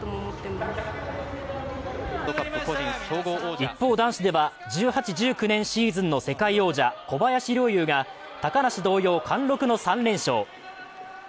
一方、男子では１８・１９年シーズンの世界王者、小林陵侑が高梨同様、貫禄の３連勝。